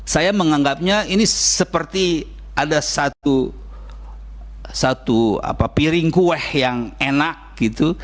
saya menganggapnya ini seperti ada satu piring kue yang enak gitu